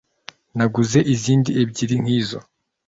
naguze izindi ebyiri nkizo